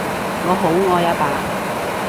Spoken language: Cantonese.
我好愛阿爸